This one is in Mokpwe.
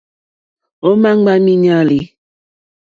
Ò ma ŋgba miinyali?